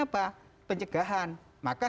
apa pencegahan maka